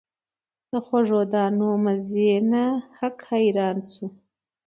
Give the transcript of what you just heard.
د خوږو دانو مزې ته هک حیران سو